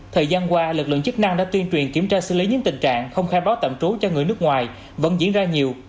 thời gian qua lực lượng chức năng đã tuyên truyền kiểm tra xử lý những tình trạng không khai báo tạm trú cho người nước ngoài vẫn diễn ra nhiều